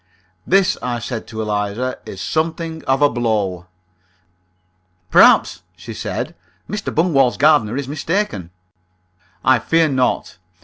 "This," I said to Eliza, "is something of a blow." "Perhaps," she said, "Mr. Bungwall's gardener is mistaken." "I fear not.